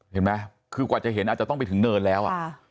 เห็นไหมคือกว่าจะเห็นอาจจะต้องไปถึงเนินแล้ว